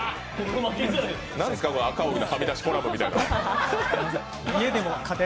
なんですか、赤荻のはみ出しコラムみたいな。